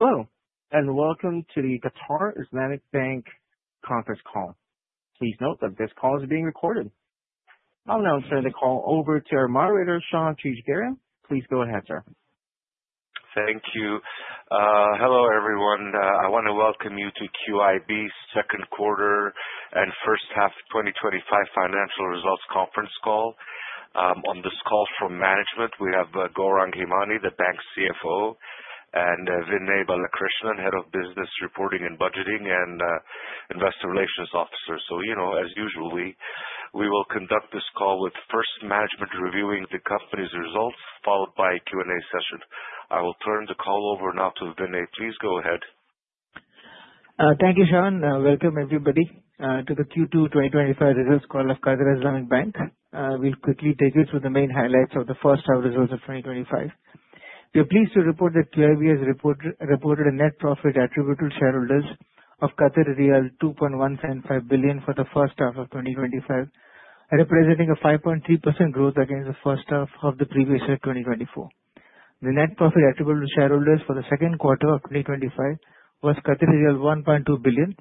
Hello, and welcome to the Qatar Islamic Bank conference call. Please note that this call is being recorded. I'll now turn the call over to our moderator, Shahan. Please go ahead, sir. Thank you. Hello everyone. I want to welcome you to QIB's second quarter and first half 2025 financial results conference call. On this call from management, we have Gourang Hemani, the bank's CFO, and Vinay Balakrishnan, head of business reporting and budgeting and investor relations officer. So, you know, as usual, we will conduct this call with first management reviewing the company's results, followed by a Q&A session. I will turn the call over now to Vinay. Please go ahead. Thank you, Sean. Welcome everybody to the Q2 2025 results call of Qatar Islamic Bank. We'll quickly take you through the main highlights of the first half results of 2025. We are pleased to report that QIB has reported a net profit attributable to shareholders of 2.175 billion for the first half of 2025, representing a 5.3% growth against the first half of the previous year, 2024. The net profit attributable to shareholders for the second quarter of 2025 was 1.2 billion,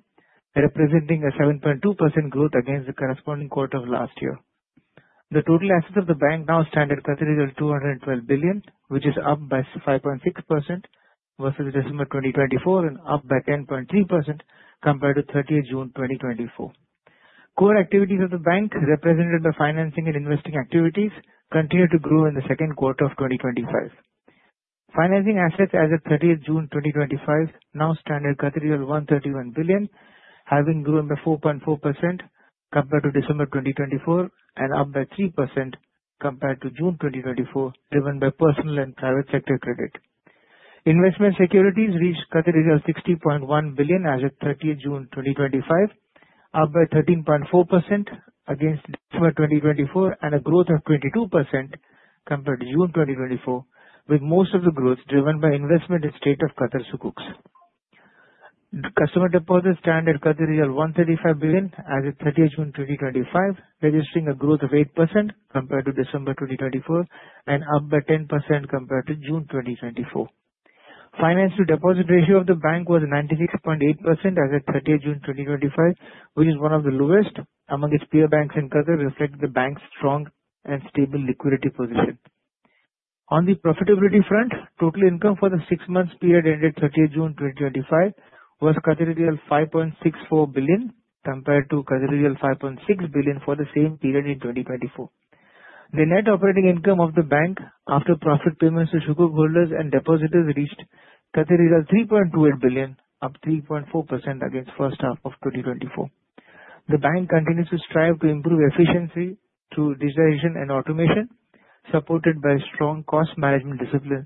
representing a 7.2% growth against the corresponding quarter of last year. The total assets of the bank now stand at 212 billion, which is up by 5.6% versus December 2024 and up by 10.3% compared to 30 June 2024. Core activities of the bank, represented by financing and investing activities, continue to grow in the second quarter of 2025. Financing assets as of 30 June 2025 now stand at 131 billion, having grown by 4.4% compared to December 2024 and up by 3% compared to June 2024, driven by personal and private sector credit. Investment securities reached 60.1 billion as of 30 June 2025, up by 13.4% against December 2024, and a growth of 22% compared to June 2024, with most of the growth driven by investment in State of Qatar sukuk. Customer deposits stand at 135 billion as of 30 June 2025, registering a growth of 8% compared to December 2024 and up by 10% compared to June 2024. Finance to deposit ratio of the bank was 96.8% as of 30 June 2025, which is one of the lowest among its peer banks in Qatar, reflecting the bank's strong and stable liquidity position. On the profitability front, total income for the six months period ended 30 June 2025 was 5.64 billion compared to 5.6 billion for the same period in 2024. The net operating income of the bank after profit payments to sukuk holders and depositors reached 3.28 billion, up 3.4% against the first half of 2024. The bank continues to strive to improve efficiency through digitization and automation, supported by strong cost management discipline.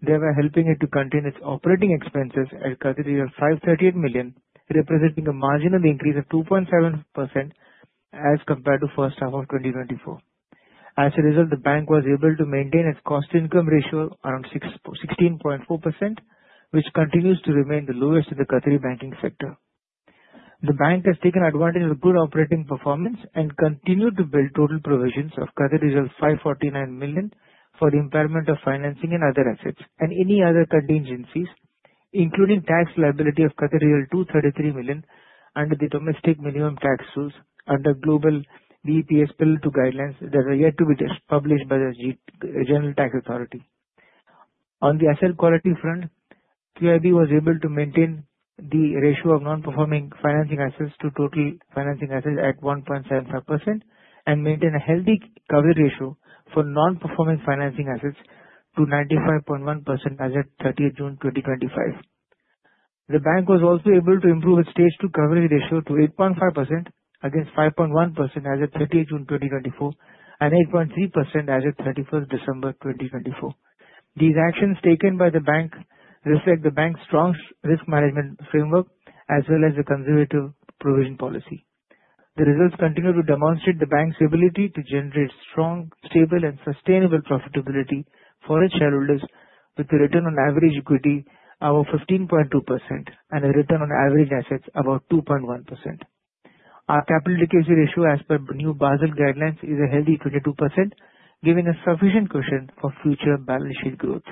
Therefore, helping it to contain its operating expenses at 538 million, representing a marginal increase of 2.7% as compared to the first half of 2024. As a result, the bank was able to maintain its cost to income ratio around 16.4%, which continues to remain the lowest in the Qatari banking sector. The bank has taken advantage of good operating performance and continued to build total provisions of 549 million for the impairment of financing and other assets and any other contingencies, including tax liability of 233 million under the domestic minimum tax rules under global BEPS Pillar Two guidelines that are yet to be published by the General Tax Authority. On the asset quality front, QIB was able to maintain the ratio of non-performing financing assets to total financing assets at 1.75% and maintain a healthy coverage ratio for non-performing financing assets to 95.1% as of 30 June 2025. The bank was also able to improve its stage two coverage ratio to 8.5% against 5.1% as of 30 June 2024 and 8.3% as of 31 December 2024. These actions taken by the bank reflect the bank's strong risk management framework as well as the conservative provision policy. The results continue to demonstrate the bank's ability to generate strong, stable, and sustainable profitability for its shareholders, with a return on average equity of 15.2% and a return on average assets of about 2.1%. Our capital adequacy ratio, as per new Basel Guidelines, is a healthy 22%, giving us sufficient cushion for future balance sheet growth.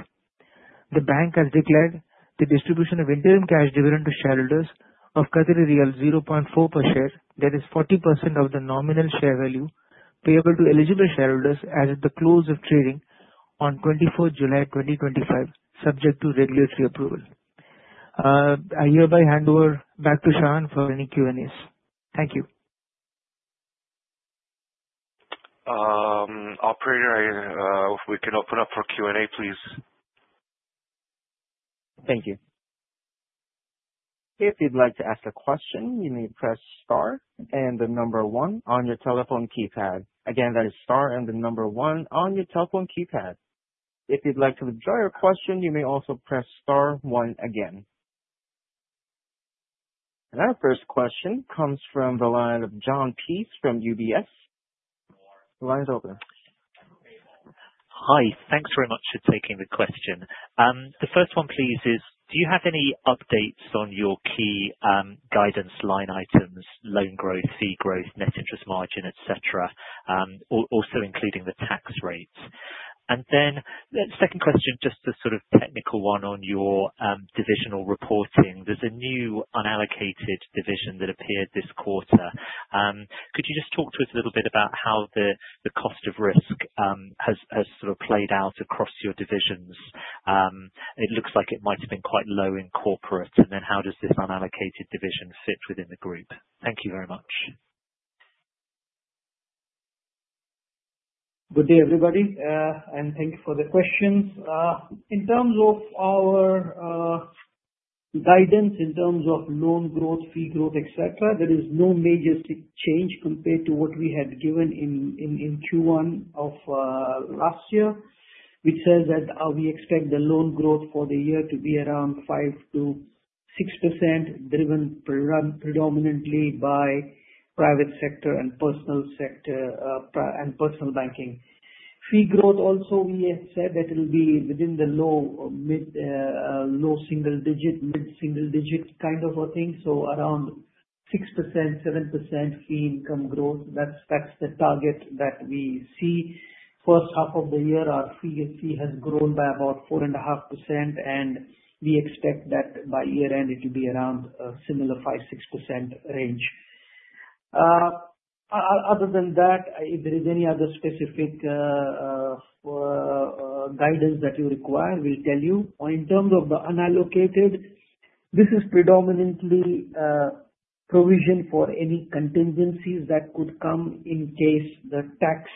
The bank has declared the distribution of interim cash dividend to shareholders of 0.4 per share, that is 40% of the nominal share value, payable to eligible shareholders as of the close of trading on 24 July 2025, subject to regulatory approval. I hereby hand over back to Sean for any Q&As. Thank you. Operator, we can open up for Q&A, please. Thank you. If you'd like to ask a question, you may press star and the number one on your telephone keypad. Again, that is star and the number one on your telephone keypad. If you'd like to withdraw your question, you may also press star one again. And our first question comes from the line of John Peace from UBS. The line's open. Hi, thanks very much for taking the question. The first one, please, is do you have any updates on your key guidance line items: loan growth, fee growth, net interest margin, et cetera, also including the tax rates? And then the second question, just a sort of technical one on your divisional reporting. There's a new unallocated division that appeared this quarter. Could you just talk to us a little bit about how the cost of risk has sort of played out across your divisions? It looks like it might have been quite low in corporate. And then how does this unallocated division fit within the group? Thank you very much. Good day, everybody. And thank you for the questions. In terms of our guidance, in terms of loan growth, fee growth, et cetera, there is no major change compared to what we had given in Q1 of last year, which says that we expect the loan growth for the year to be around 5%-6%, driven predominantly by private sector and personal sector, and personal banking. Fee growth, also, we have said that it'll be within the low mid, low single digit, mid single digit kind of a thing. So around 6%-7% fee income growth. That's the target that we see. First half of the year, our fee has grown by about 4.5%, and we expect that by year-end, it will be around a similar 5%-6% range. Other than that, if there is any other specific guidance that you require, we'll tell you. In terms of the unallocated, this is predominantly provision for any contingencies that could come in case the tax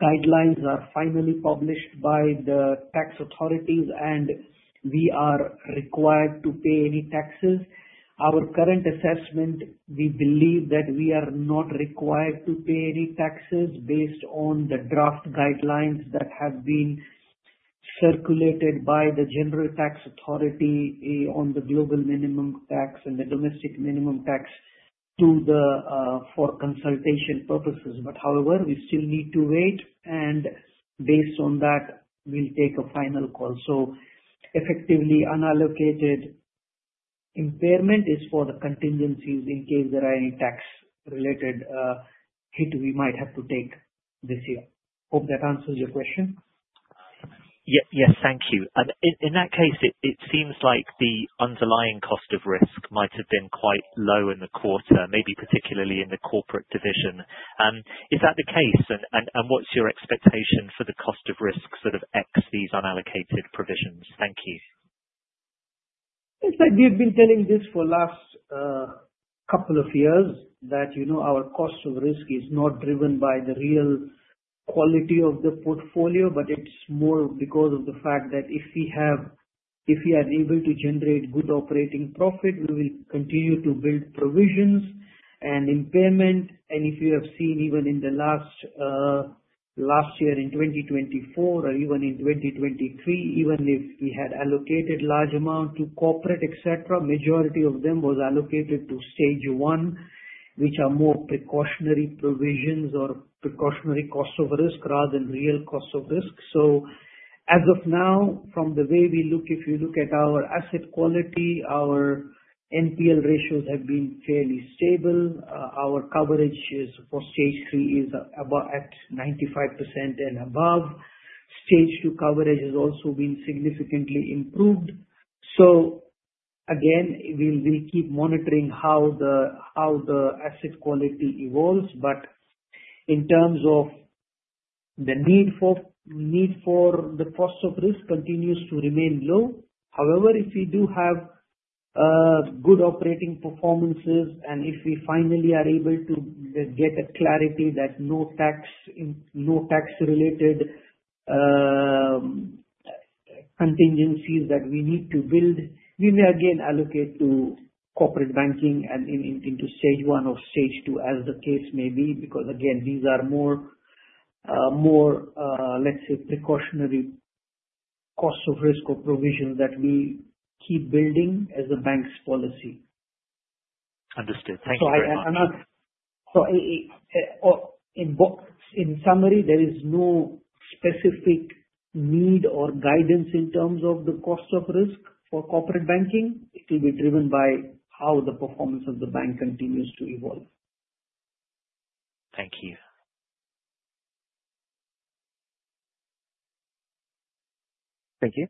guidelines are finally published by the tax authorities and we are required to pay any taxes. Our current assessment, we believe that we are not required to pay any taxes based on the draft guidelines that have been circulated by the General Tax Authority on the Global Minimum Tax and the Domestic Minimum Tax for consultation purposes. But, however, we still need to wait, and based on that, we'll take a final call. So, effectively, unallocated impairment is for the contingencies in case there are any tax-related hit we might have to take this year. Hope that answers your question. Yes, thank you. In that case, it seems like the underlying cost of risk might have been quite low in the quarter, maybe particularly in the corporate division. Is that the case? And what's your expectation for the cost of risk sort of excluding these unallocated provisions? Thank you. It's like we've been telling this for the last couple of years that, you know, our cost of risk is not driven by the real quality of the portfolio, but it's more because of the fact that if we are able to generate good operating profit, we will continue to build provisions and impairment. And if you have seen even in the last year in 2024 or even in 2023, even if we had allocated large amounts to corporate, et cetera, the majority of them was allocated to stage one, which are more precautionary provisions or precautionary cost of risk rather than real cost of risk. So, as of now, from the way we look, if you look at our asset quality, our NPL ratios have been fairly stable. Our coverage for stage three is about at 95% and above. Stage two coverage has also been significantly improved. So, again, we'll keep monitoring how the asset quality evolves. But in terms of the need for the cost of risk continues to remain low. However, if we do have good operating performances and if we finally are able to get a clarity that no tax-related contingencies that we need to build, we may again allocate to corporate banking and into stage one or stage two, as the case may be, because, again, these are more, let's say, precautionary cost of risk or provisions that we keep building as the bank's policy. Understood. Thank you very much. In summary, there is no specific need or guidance in terms of the cost of risk for corporate banking. It will be driven by how the performance of the bank continues to evolve. Thank you. Thank you.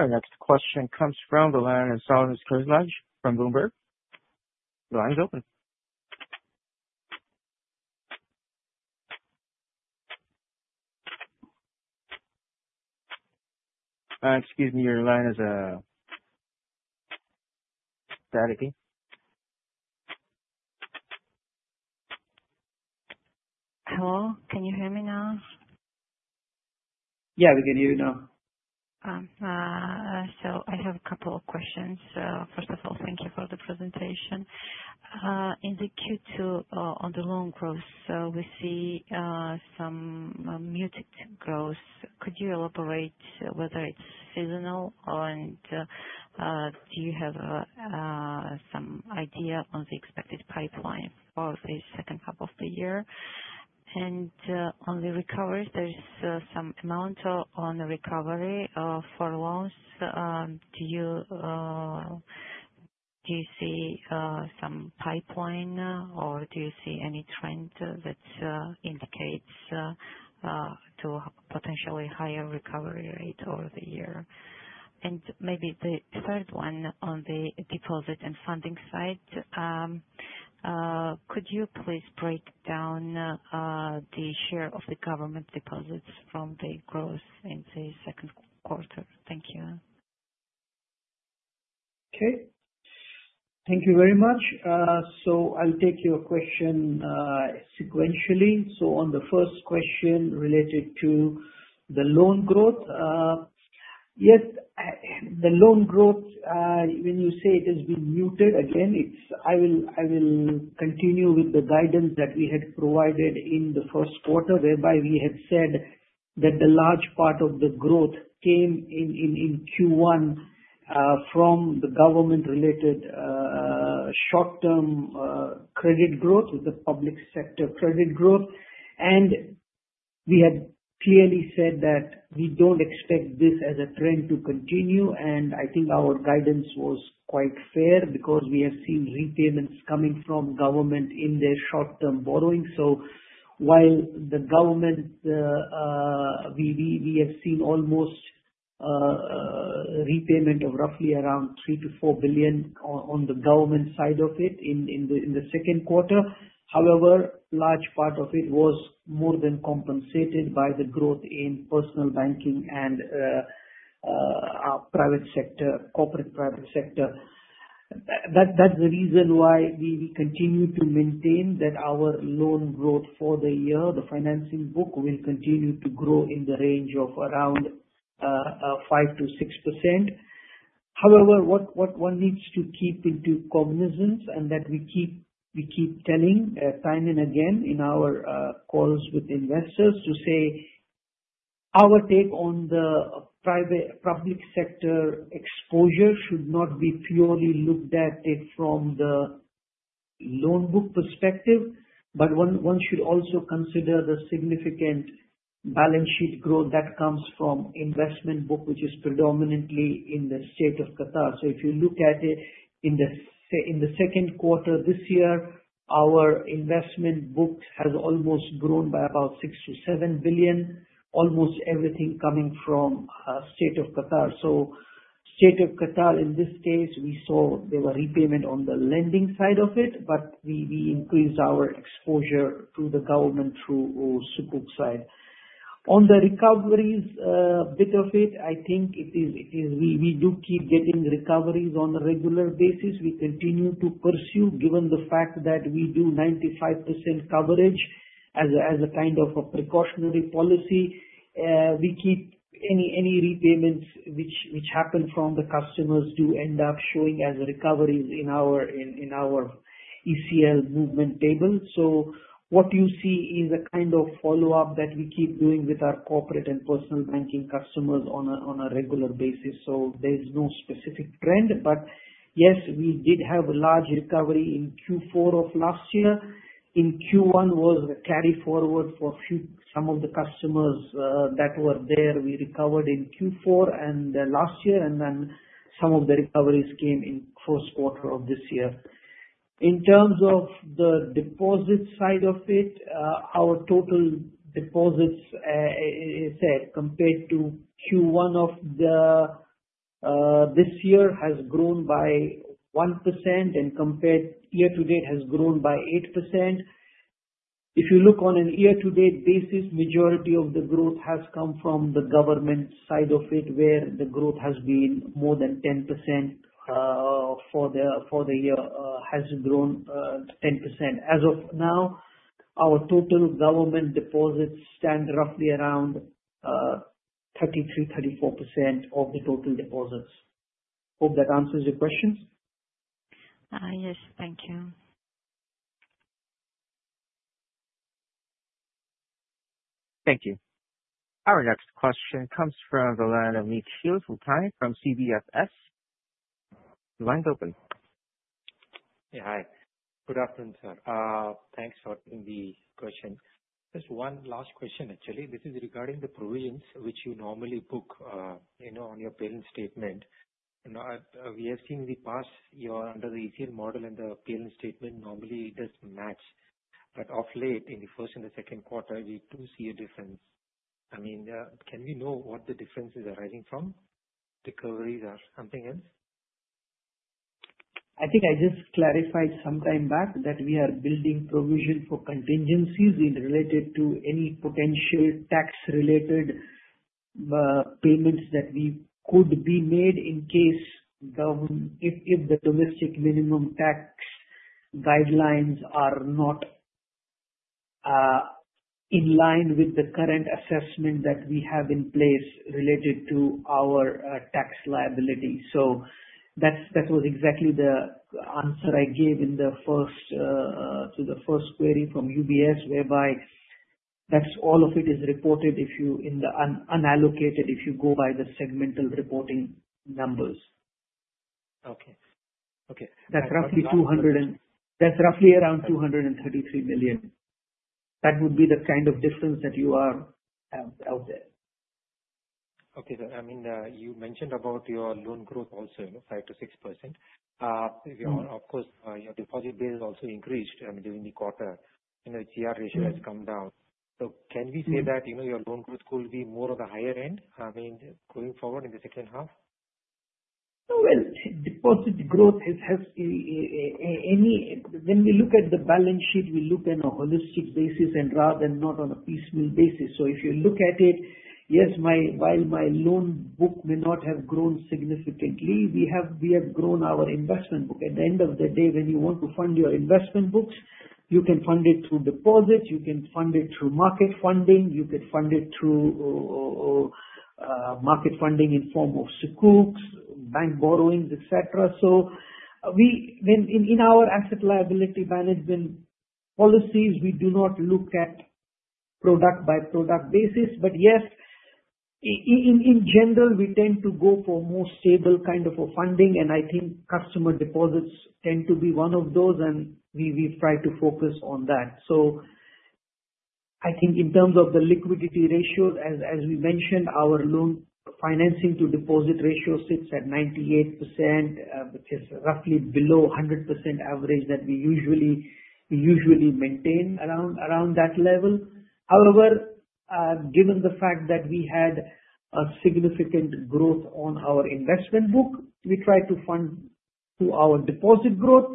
Our next question comes from the line of Salome Skhirtladze from Bloomberg. The line's open. Excuse me, your line is staticky. Hello. Can you hear me now? Yeah, we can hear you now. So I have a couple of questions. First of all, thank you for the presentation. In the Q2, on the loan growth, we see some muted growth. Could you elaborate whether it's seasonal and do you have some idea on the expected pipeline for the second half of the year? And on the recovery, there's some amount on the recovery for loans. Do you see some pipeline or do you see any trend that indicates to a potentially higher recovery rate over the year? And maybe the third one on the deposit and funding side, could you please break down the share of the government deposits from the growth in the second quarter? Thank you. Okay. Thank you very much. So I'll take your question, sequentially. On the first question related to the loan growth, yes, the loan growth, when you say it has been muted, again, it's, I will continue with the guidance that we had provided in the first quarter, whereby we had said that the large part of the growth came in in Q1, from the government-related, short-term, credit growth, the public sector credit growth. And we had clearly said that we don't expect this as a trend to continue. And I think our guidance was quite fair because we have seen repayments coming from government in their short-term borrowing. So while the government, we have seen almost, repayment of roughly around 3 billion-4 billion on the government side of it in the second quarter. However, a large part of it was more than compensated by the growth in personal banking and private sector, corporate private sector. That's the reason why we continue to maintain that our loan growth for the year, the financing book, will continue to grow in the range of around 5%-6%. However, what one needs to keep in cognizance and that we keep telling, time and again in our calls with investors to say our take on the private public sector exposure should not be purely looked at from the loan book perspective, but one should also consider the significant balance sheet growth that comes from investment book, which is predominantly in the state of Qatar. If you look at it in the second quarter this year, our investment book has almost grown by about 6 billion-7 billion, almost everything coming from State of Qatar. State of Qatar, in this case, we saw there were repayments on the lending side of it, but we increased our exposure to the government through sukuk side. On the recoveries, bit of it, I think it is we do keep getting recoveries on a regular basis. We continue to pursue, given the fact that we do 95% coverage as a kind of a precautionary policy. We keep any repayments which happen from the customers do end up showing as recoveries in our ECL movement table. So what you see is a kind of follow-up that we keep doing with our corporate and personal banking customers on a regular basis. There's no specific trend, but yes, we did have a large recovery in Q4 of last year. In Q1 was a carry forward for a few of the customers that were there. We recovered in Q4 last year, and then some of the recoveries came in first quarter of this year. In terms of the deposit side of it, our total deposits as compared to Q1 of this year has grown by 1% and compared year to date has grown by 8%. If you look on a year-to-date basis, majority of the growth has come from the government side of it, where the growth has been more than 10% for the year. As of now, our total government deposits stand roughly around 33%-34% of the total deposits. Hope that answers your questions. Yes, thank you. Thank you. Our next question comes from the line of Nikhil Phutane from CBFS. The line's open. Yeah, hi. Good afternoon, sir. Thanks for the question. Just one last question, actually. This is regarding the provisions which you normally book, you know, on your P&L statement. You know, we have seen in the past, you know, under the ECL model and the P&L statement, normally it doesn't match. But of late, in the first and the second quarter, we do see a difference. I mean, can we know what the difference is arising from? Recoveries or something else? I think I just clarified some time back that we are building provision for contingencies related to any potential tax-related payments that we could be made in case if the domestic minimum tax guidelines are not in line with the current assessment that we have in place related to our tax liability. So that's that was exactly the answer I gave in the first to the first query from UBS, whereby that's all of it is reported if you in the unallocated if you go by the segmental reporting numbers. Okay. Okay. That's roughly 200 and that's roughly around 233 million. That would be the kind of difference that you have out there. Okay. So, I mean, you mentioned about your loan growth also, you know, 5%-6%. You're of course, your deposit base also increased, I mean, during the quarter, and the TR ratio has come down. So can we say that, you know, your loan growth could be more on the higher end, I mean, going forward in the second half? Deposit growth has any when we look at the balance sheet. We look at a holistic basis and rather than not on a piecemeal basis. So if you look at it, yes, while my loan book may not have grown significantly, we have grown our investment book. At the end of the day, when you want to fund your investment books, you can fund it through deposits. You can fund it through market funding. You could fund it through market funding in form of sukuk, bank borrowings, et cetera. So when in our asset liability management policies, we do not look at product-by-product basis, but yes, in general, we tend to go for more stable kind of a funding. I think customer deposits tend to be one of those, and we have tried to focus on that. So I think in terms of the liquidity ratio, as we mentioned, our loan financing to deposit ratio sits at 98%, which is roughly below 100% average that we usually maintain around that level. However, given the fact that we had a significant growth on our investment book, we try to fund to our deposit growth.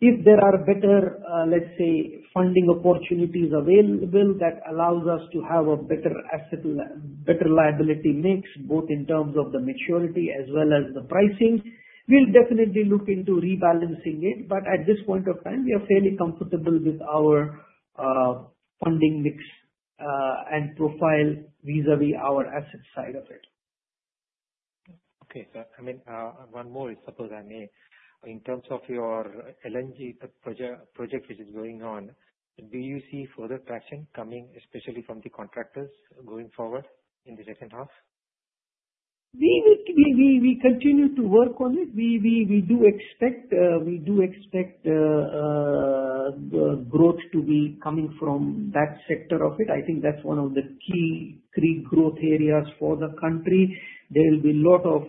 If there are better, let's say, funding opportunities available that allows us to have a better asset liability mix both in terms of the maturity as well as the pricing, we'll definitely look into rebalancing it. But at this point of time, we are fairly comfortable with our funding mix and profile vis-à-vis our asset side of it. Okay. So, I mean, one more, if I may, in terms of your LNG project which is going on, do you see further traction coming, especially from the contractors going forward in the second half? We continue to work on it. We do expect the growth to be coming from that sector of it. I think that's one of the key three growth areas for the country. There will be a lot of,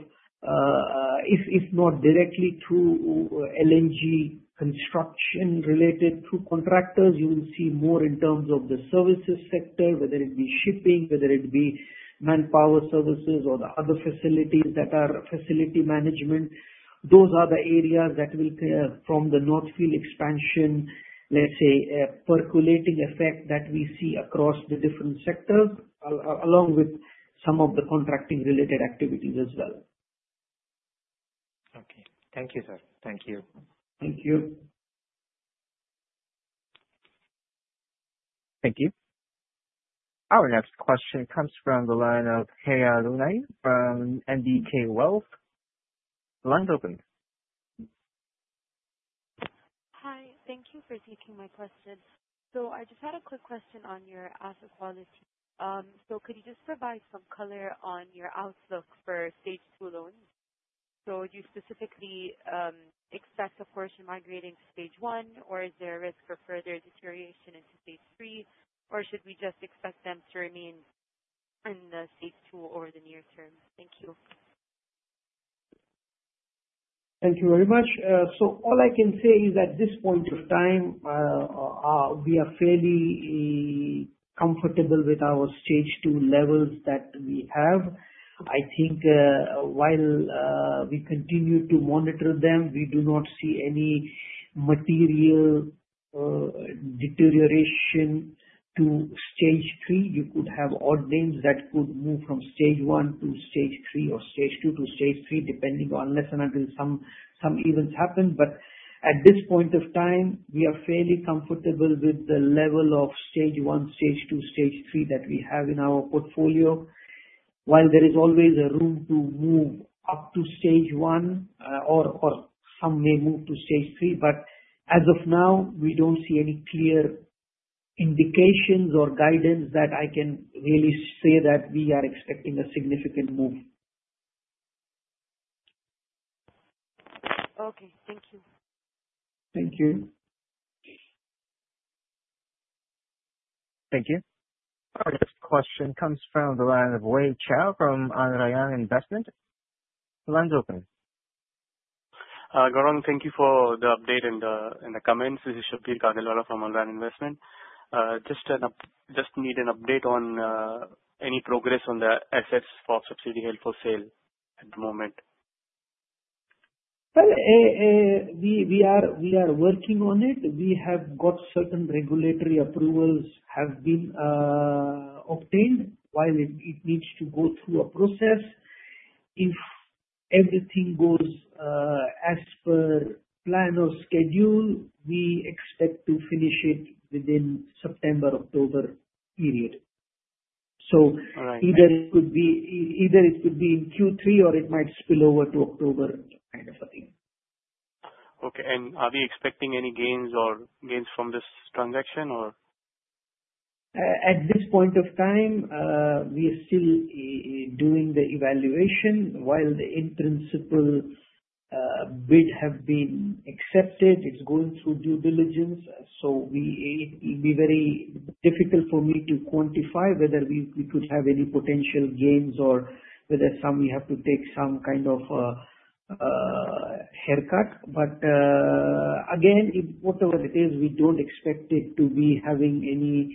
if not directly through LNG construction related to contractors, you will see more in terms of the services sector, whether it be shipping, whether it be manpower services, or the other facilities that are facility management. Those are the areas that will, from the North Field expansion, let's say, percolating effect that we see across the different sectors along with some of the contracting-related activities as well. Okay. Thank you, sir. Thank you. Thank you. Thank you. Our next question comes from the line of Haya Al Fulaij from NBK Wealth. The line's open. Hi. Thank you for taking my question. So I just had a quick question on your asset quality. So could you just provide some color on your outlook for stage two loans? So do you specifically expect the portion migrating to stage one, or is there a risk for further deterioration into stage three, or should we just expect them to remain in the stage two over the near term? Thank you. Thank you very much. So all I can say is at this point of time, we are fairly comfortable with our stage two levels that we have. I think while we continue to monitor them, we do not see any material deterioration to stage three. You could have odd ones that could move from stage one to stage three or stage two to stage three, depending on less than until some events happen. But at this point of time, we are fairly comfortable with the level of stage one, stage two, stage three that we have in our portfolio, while there is always a room to move up to stage one, or some may move to stage three. But as of now, we don't see any clear indications or guidance that I can really say that we are expecting a significant move. Okay. Thank you. Thank you. Thank you. Our next question comes from the line of Wei Chao from Al Rayan Investment. The line's open. Gourang, thank you for the update and the comments. This is Shabbir Kagalwala from Al Rayan Investment. Just need an update on any progress on the assets held for sale at the moment. We are working on it. We have got certain regulatory approvals have been obtained while it needs to go through a process. If everything goes as per plan or schedule, we expect to finish it within September-October period. All right. Either it could be in Q3, or it might spill over to October kind of a thing. Okay. And are we expecting any gains from this transaction, or? At this point of time, we are still doing the evaluation. While the in principle bid have been accepted, it's going through due diligence. So it will be very difficult for me to quantify whether we could have any potential gains or whether we have to take some kind of haircut. But again, whatever it is, we don't expect it to be having any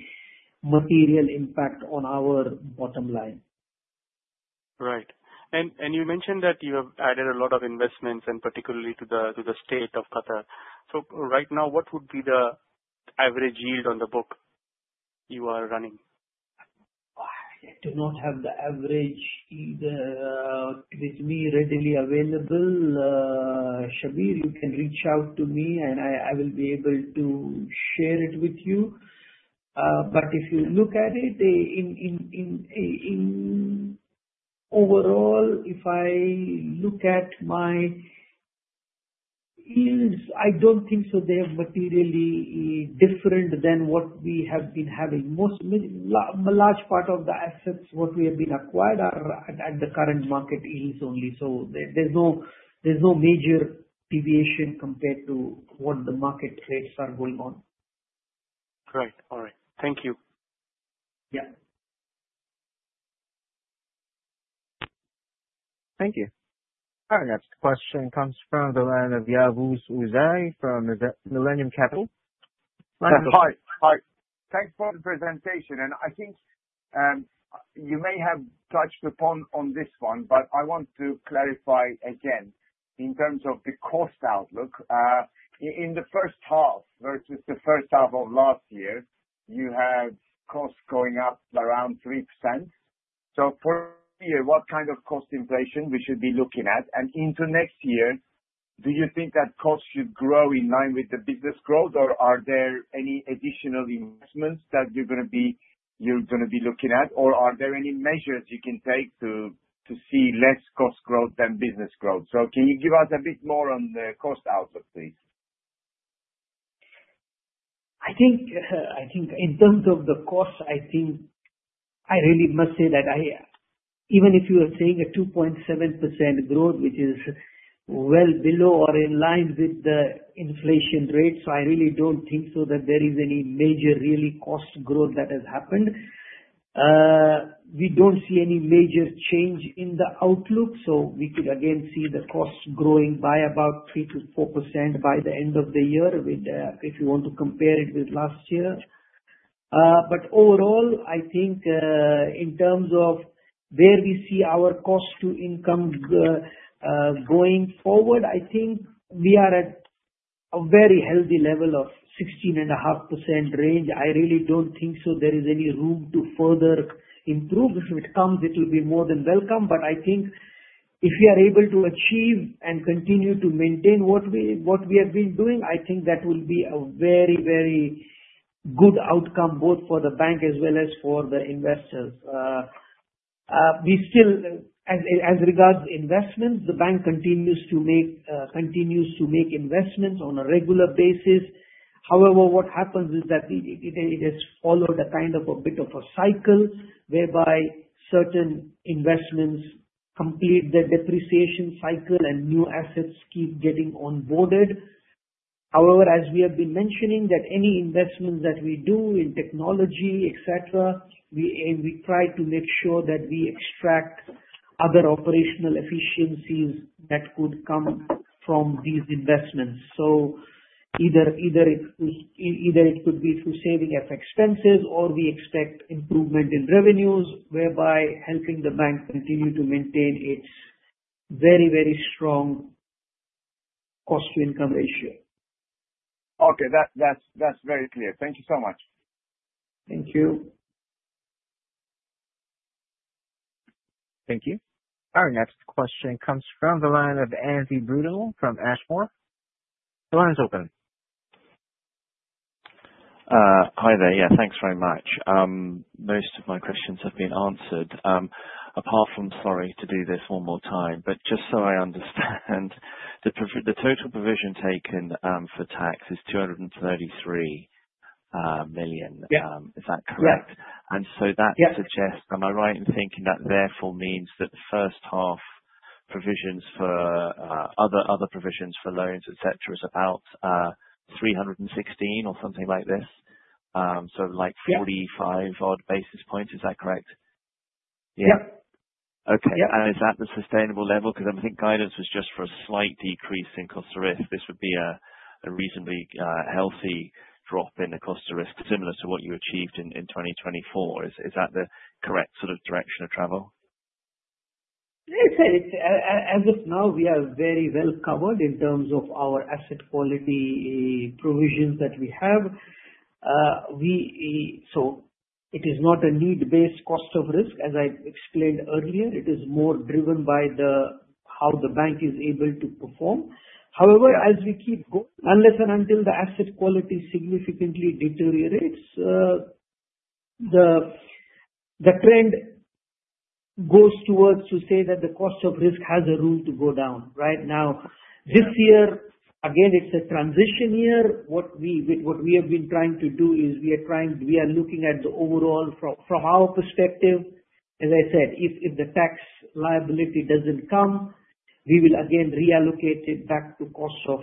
material impact on our bottom line. Right. And you mentioned that you have added a lot of investments and particularly to the State of Qatar. So right now, what would be the average yield on the book you are running? I do not have the average either with me readily available. Shafeer, you can reach out to me, and I will be able to share it with you, but if you look at it, in overall, if I look at my yields, I don't think so they are materially different than what we have been having. Most a large part of the assets what we have been acquired are at the current market yields only, so there is no major deviation compared to what the market rates are going on. Right. All right. Thank you. Yeah. Thank you. Our next question comes from the line of Yavuz Uzay from Millennium Capital. Hi. Hi. Thanks for the presentation. And I think, you may have touched upon this one, but I want to clarify again in terms of the cost outlook. In the first half versus the first half of last year, you have costs going up around 3%. For you, what kind of cost inflation should we be looking at? Into next year, do you think that cost should grow in line with the business growth, or are there any additional investments that you're going to be looking at, or are there any measures you can take to see less cost growth than business growth? Can you give us a bit more on the cost outlook, please? I think I think in terms of the cost, I think I really must say that even if you are seeing a 2.7% growth, which is well below or in line with the inflation rate, so I really don't think so that there is any major really cost growth that has happened. We don't see any major change in the outlook. We could again see the cost growing by about 3%-4% by the end of the year, if you want to compare it with last year. But overall, I think, in terms of where we see our cost-to-income going forward, I think we are at a very healthy level of 16.5% range. I really don't think so there is any room to further improve. If it comes, it will be more than welcome. But I think if we are able to achieve and continue to maintain what we have been doing, I think that will be a very, very good outcome both for the bank as well as for the investors. We still as regards investments, the bank continues to make investments on a regular basis. However, what happens is that it has followed a kind of a bit of a cycle whereby certain investments complete their depreciation cycle and new assets keep getting onboarded. However, as we have been mentioning, that any investments that we do in technology, et cetera, we try to make sure that we extract other operational efficiencies that could come from these investments. Either it could be through saving of expenses or we expect improvement in revenues whereby helping the bank continue to maintain its very, very strong cost-to-income ratio. Okay. That's very clear. Thank you so much. Thank you. Thank you. Our next question comes from the line of Andy Brudenell from Ashmore. The line's open. Hi there. Yeah. Thanks very much. Most of my questions have been answered. Apart from, sorry to do this one more time, but just so I understand, the total provision taken for tax is 233 million. Yeah. Is that correct? Yeah. And so that suggests. Yeah. Am I right in thinking that therefore means that the first half provisions for other provisions for loans, et cetera, is about 316 or something like this? So like 45-odd basis points. Is that correct? Yeah. Yeah. Okay. Yeah. Is that the sustainable level? Because I think guidance was just for a slight decrease in cost of risk. This would be a reasonably healthy drop in the cost of risk similar to what you achieved in 2024. Is that the correct sort of direction of travel? Yes. And it's as of now, we are very well covered in terms of our asset quality provisions that we have. It is not a need-based cost of risk. As I explained earlier, it is more driven by how the bank is able to perform. However, as we keep going unless and until the asset quality significantly deteriorates, the trend goes towards to say that the cost of risk has a room to go down. Right now, this year, again, it's a transition year. What we have been trying to do is we are looking at the overall from our perspective. As I said, if the tax liability doesn't come, we will again reallocate it back to cost of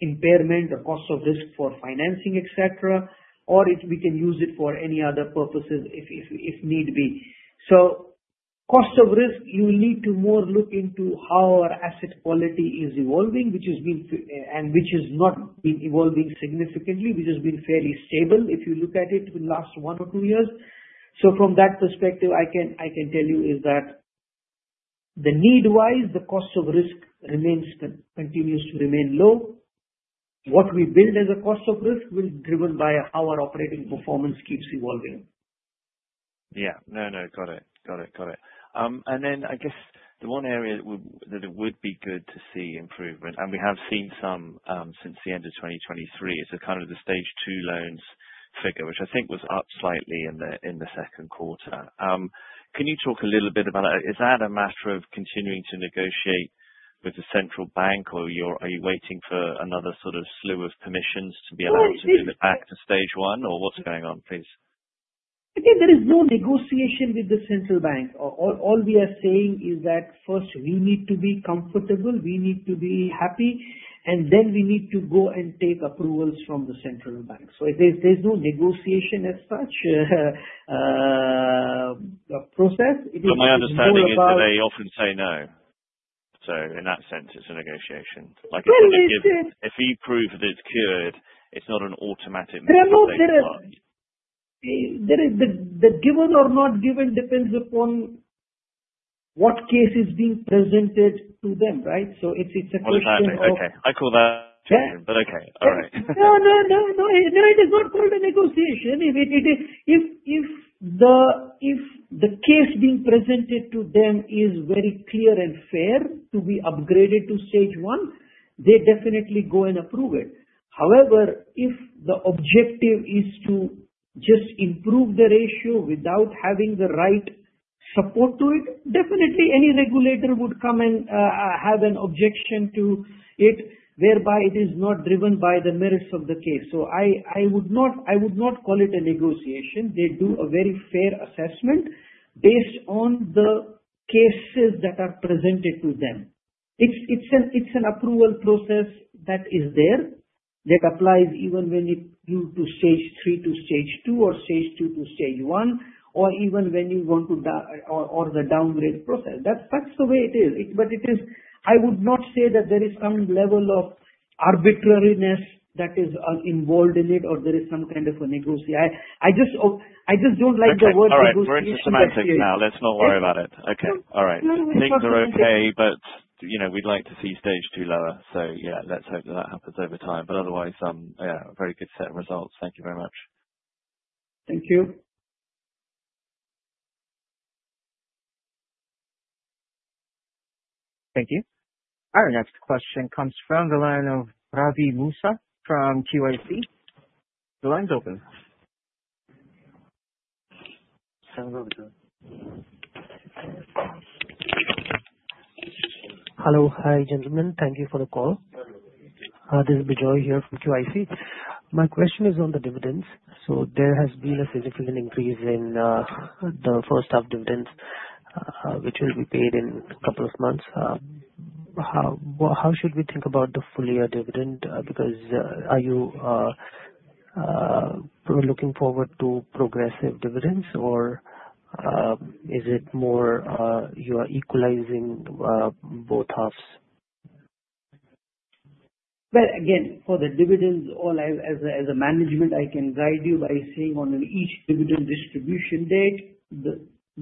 impairment or cost of risk for financing, et cetera, or if we can use it for any other purposes if need be. So cost of risk, you will need to more look into how our asset quality is evolving, which has been and which has not been evolving significantly, which has been fairly stable if you look at it in the last one or two years. So from that perspective, I can tell you is that the need-wise, the cost of risk remains low. What we build as a cost of risk will be driven by how our operating performance keeps evolving. Yeah. No, no. Got it. Got it. Got it. And then I guess the one area that it would be good to see improvement, and we have seen some, since the end of 2023, is kind of the Stage 2 loans figure, which I think was up slightly in the second quarter. Can you talk a little bit about that? Is that a matter of continuing to negotiate with the central bank, or are you waiting for another sort of slew of permissions to be allowed to. Absolutely. Move it back to stage one, or what's going on, please? Again, there is no negotiation with the central bank. All we are saying is that first, we need to be comfortable. We need to be happy. And then we need to go and take approvals from the central bank. So there's no negotiation as such, process. From my understanding, it's that they often say no. So in that sense, it's a negotiation. Like. Well, if it's. If you prove that it's cured, it's not an automatic negotiation. There is the given or not given depends upon what case is being presented to them, right? So it's a question of. I'm sorry. Okay. I call that. Yeah. Challenging. But okay. All right. No, no, no, no. No, it is not called a negotiation. If the case being presented to them is very clear and fair to be upgraded to stage one, they definitely go and approve it. However, if the objective is to just improve the ratio without having the right support to it, definitely any regulator would come and have an objection to it whereby it is not driven by the merits of the case. So I would not call it a negotiation. They do a very fair assessment based on the cases that are presented to them. It's an approval process that is there that applies even when you to stage three to stage two or stage two to stage one or even when you want to or the downgrade process. That's the way it is. But it is, I would not say that there is some level of arbitrariness that is involved in it or there is some kind of a negotiation. I just don't like the word negotiation. I'm sorry. I'm sorry. I'm sorry. Now, let's not worry about it. Okay. All right. No, no. It's fine. Things are okay, but, you know, we'd like to see Stage 2 lower. So yeah, let's hope that that happens over time. But otherwise, yeah, a very good set of results. Thank you very much. Thank you. Thank you. Our next question comes from the line of Ravi Musa from QIC. The line's open. Hello. Hi, gentlemen. Thank you for the call. This is Bijo here from QIC. My question is on the dividends. So there has been a significant increase in the first half dividends, which will be paid in a couple of months. How should we think about the full-year dividend? Because are you looking forward to progressive dividends, or is it more you are equalizing both halves? Again, for the dividends, all I, as a management, can guide you by saying on each dividend distribution date,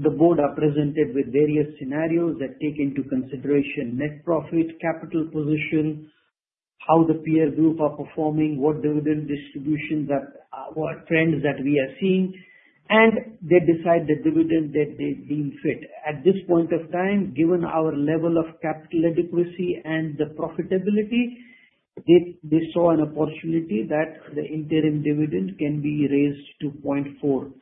the board are presented with various scenarios that take into consideration net profit, capital position, how the peer group are performing, what dividend distributions, what trends that we are seeing, and they decide the dividend that they deem fit. At this point of time, given our level of capital adequacy and the profitability, they saw an opportunity that the interim dividend can be raised to 0.4 QAR.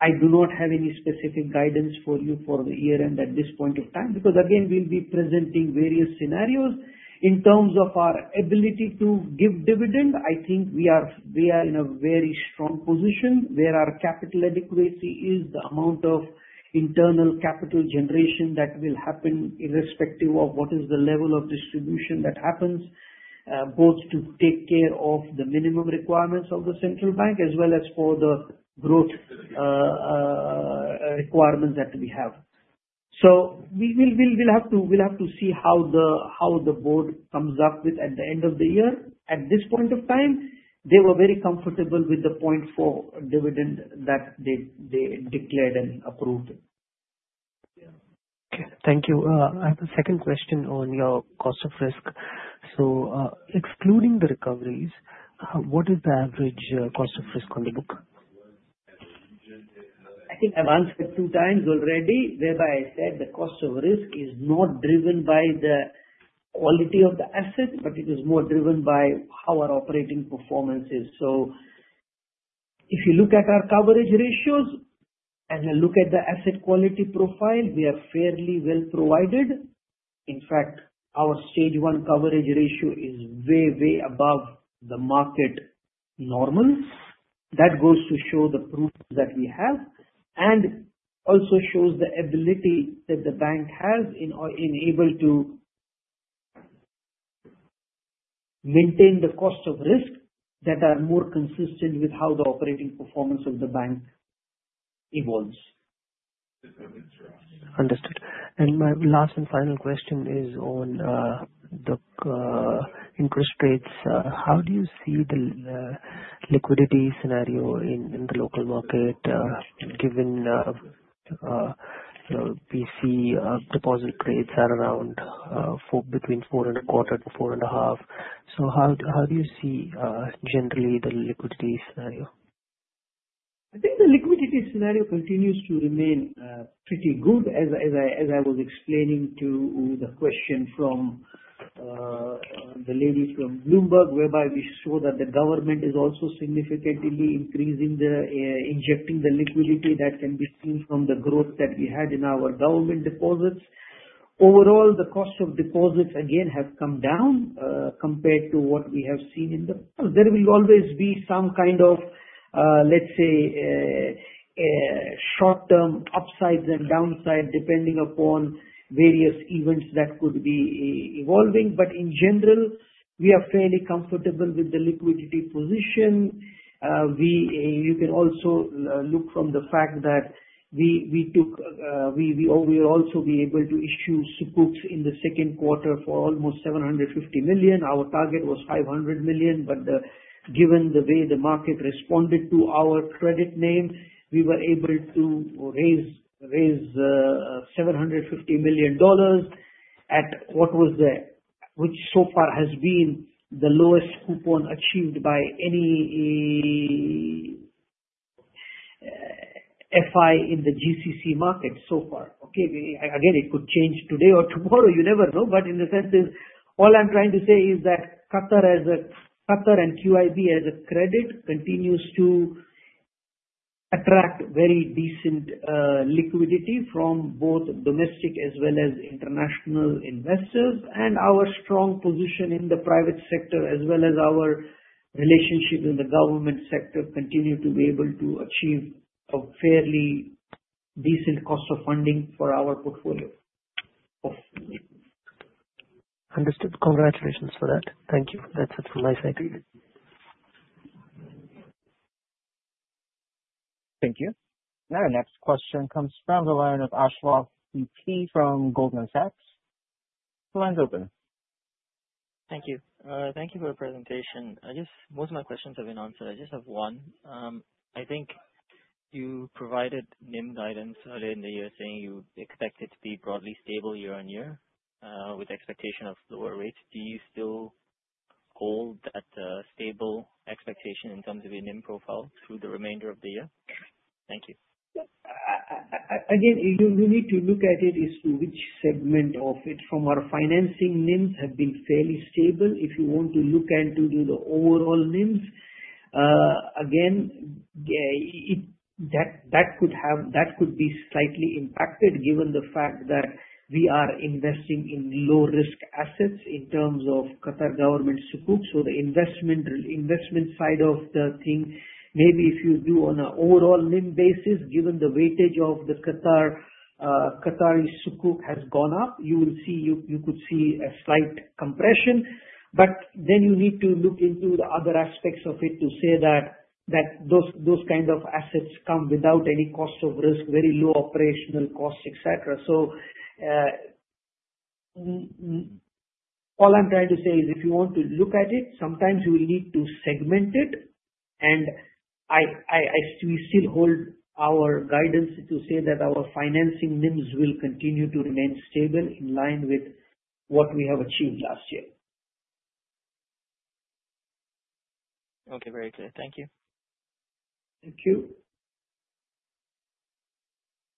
I do not have any specific guidance for you for the year-end at this point of time because, again, we'll be presenting various scenarios. In terms of our ability to give dividend, I think we are in a very strong position where our capital adequacy is the amount of internal capital generation that will happen irrespective of what is the level of distribution that happens, both to take care of the minimum requirements of the central bank as well as for the growth requirements that we have. So we will have to see how the board comes up with at the end of the year. At this point of time, they were very comfortable with the 0.4 dividend that they declared and approved. Okay. Thank you. I have a second question on your cost of risk. So, excluding the recoveries, what is the average cost of risk on the book? I think I've answered two times already whereby I said the cost of risk is not driven by the quality of the asset, but it is more driven by how our operating performance is. So if you look at our coverage ratios and then look at the asset quality profile, we are fairly well provided. In fact, our stage one coverage ratio is way, way above the market normal. That goes to show the provisions that we have and also shows the ability that the bank has in order to be able to maintain the cost of risk that are more consistent with how the operating performance of the bank evolves. Understood, and my last and final question is on the interest rates. How do you see the liquidity scenario in the local market, given the PC deposit rates are around 4%, between 4.25% to 4.5%? So how do you see generally the liquidity scenario? I think the liquidity scenario continues to remain pretty good as I was explaining to the question from the lady from Bloomberg, whereby we saw that the government is also significantly increasing injecting the liquidity that can be seen from the growth that we had in our government deposits. Overall, the cost of deposits again have come down compared to what we have seen in the past. There will always be some kind of, let's say, short-term upsides and downsides depending upon various events that could be evolving. But in general, we are fairly comfortable with the liquidity position. You can also look from the fact that we took we also be able to issue sukuk in the second quarter for almost 750 million. Our target was 500 million. But, given the way the market responded to our credit name, we were able to raise $750 million at what was, which so far has been the lowest coupon achieved by any FI in the GCC market so far. Okay? Again, it could change today or tomorrow. You never know. But in the sense, all I'm trying to say is that Qatar as a Qatar and QIB as a credit continues to attract very decent liquidity from both domestic as well as international investors. And our strong position in the private sector as well as our relationship with the government sector continue to be able to achieve a fairly decent cost of funding for our portfolio. Understood. Congratulations for that. Thank you. That's it from my side. Thank you. Now, our next question comes from the line of Ashraf from Goldman Sachs. The line's open. Thank you. Thank you for the presentation. I guess most of my questions have been answered. I just have one. I think you provided NIM guidance earlier in the year saying you expect it to be broadly stable year on year, with expectation of lower rates. Do you still hold that, stable expectation in terms of your NIM profile through the remainder of the year? Thank you. Yep. Again, you need to look at it as to which segment of it. From our financing, NIMs have been fairly stable. If you want to look at to do the overall NIMs, again, it could be slightly impacted given the fact that we are investing in low-risk assets in terms of Qatar government support. So the investment side of the thing, maybe if you do on an overall NIM basis, given the weightage of the Qatar, Qatari support has gone up, you could see a slight compression. But then you need to look into the other aspects of it to say that those kind of assets come without any cost of risk, very low operational costs, et cetera. All I'm trying to say is if you want to look at it, sometimes you will need to segment it. We still hold our guidance to say that our financing NIMs will continue to remain stable in line with what we have achieved last year. Okay. Very clear. Thank you. Thank you.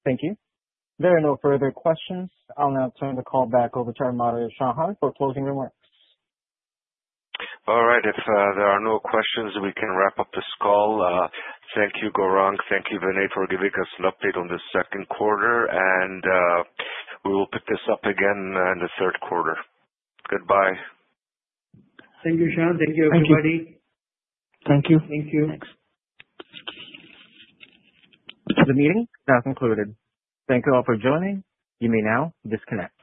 Thank you. There are no further questions. I'll now turn the call back over to our moderator, Shahan, for closing remarks. All right. If there are no questions, we can wrap up this call. Thank you, Gourang. Thank you, Vinay, for giving us an update on the second quarter. And we will pick this up again in the third quarter. Goodbye. Thank you, Sean. Thank you, everybody. Thank you. Thank you. Thanks. The meeting has concluded. Thank you all for joining. You may now disconnect.